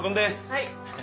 はい。